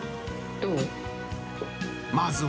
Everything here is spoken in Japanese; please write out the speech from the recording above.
どう？